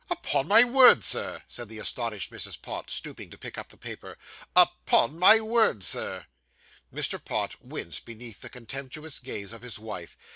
'Upon my word, Sir,' said the astonished Mrs. Pott, stooping to pick up the paper. 'Upon my word, Sir!' Mr. Pott winced beneath the contemptuous gaze of his wife.